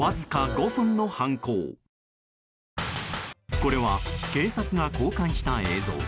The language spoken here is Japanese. これは、警察が公開した映像。